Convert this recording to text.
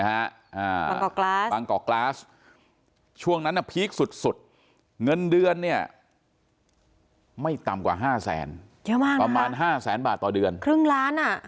บางกอกกราสบางกอกกราสช่วงนั้นน่ะพีคสุดสุดเงินเดือนเนี่ยไม่ต่ำกว่าห้าแสนเยอะมากประมาณห้าแสนบาทต่อเดือนครึ่งล้านอ่ะ